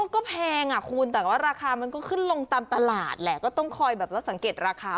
ก็แพงอ่ะคุณแต่ว่าราคามันก็ขึ้นลงตามตลาดแหละก็ต้องคอยแบบว่าสังเกตราคา